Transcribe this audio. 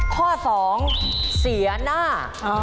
ข้อสองเสียหน้า